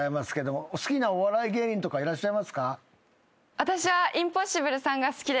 私は。